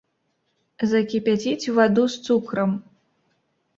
Закіпяціць ваду з цукрам.